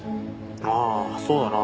ああそうだな。